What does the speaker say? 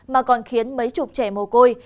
mà còn khiến mấy chục trẻ mồ côi